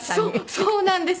そうなんです。